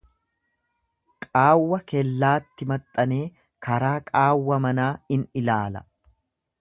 qaawwa kellaatti maxxanee, karaa qaawwa manaa in ilaala.